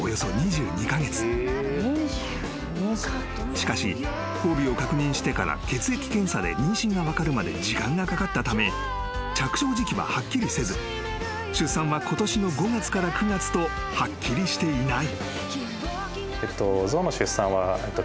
［しかし交尾を確認してから血液検査で妊娠が分かるまで時間がかかったため着床時期ははっきりせず出産はことしの５月から９月とはっきりしていない］